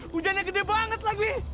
hujannya gede banget lagi